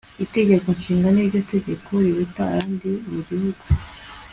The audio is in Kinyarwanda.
itegeko nshinga ni ryo tegeko riruta ayandi mu gihugu